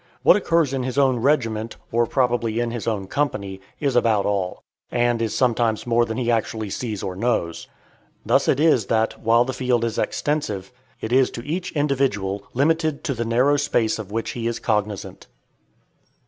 What occurs in his own regiment, or probably in his own company, is about all, and is sometimes more than he actually sees or knows. Thus it is that, while the field is extensive, it is to each individual limited to the narrow space of which he is cognizant.